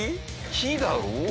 火だろ？